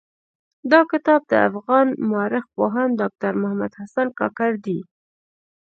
دا کتاب د افغان مٶرخ پوهاند ډاکټر محمد حسن کاکړ دٸ.